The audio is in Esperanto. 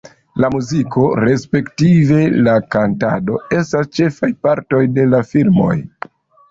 La muziko, respektive la kantado estas ĉefaj partoj de la filmoj.